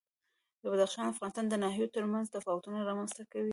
بدخشان د افغانستان د ناحیو ترمنځ تفاوتونه رامنځ ته کوي.